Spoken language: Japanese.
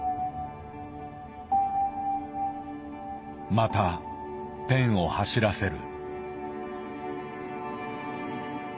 またペンを走らせる。